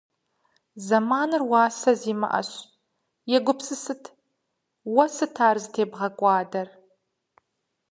Зэманыр уасэ зимыӏэщ. Егупсысыт, уэ сыт ар зытебгъэкӏуадэр?